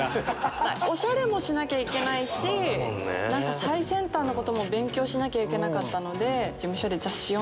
おしゃれもしなきゃいけないし最先端のことも勉強しなきゃいけなかったので。